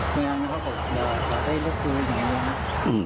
เพราะฉะนั้นเขาก็โฟดไลค์โฟดไลค์เลือกตัวอย่างนี้ด้วยครับ